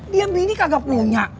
dia bini kagak punya